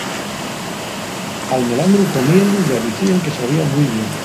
Al melandru comíenlu ya dicen que sabía mui bien.